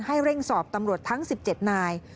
ให้เร่งสอบตำรวจทั้ง๑๗นาย